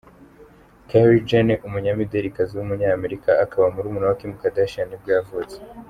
Kylie Jenner, umunyamidelikazi w’umunyamerika, akaba murumuna wa Kim Kardashian nibwo yavutse.